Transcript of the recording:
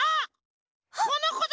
このこだ！